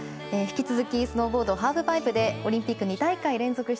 引き続きスノーボードハーフパイプでオリンピック２大会連続